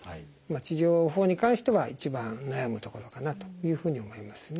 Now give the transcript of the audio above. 治療法に関しては一番悩むところかなというふうに思いますね。